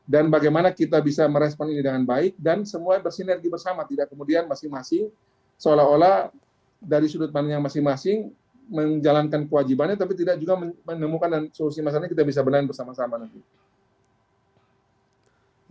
dan bagaimana kita bisa merespon ini dengan baik dan semua bersinergi bersama tidak kemudian masing masing seolah olah dari sudut pandang yang masing masing menjalankan kewajibannya tapi tidak juga menemukan solusi masalah yang kita bisa benar bersama sama nanti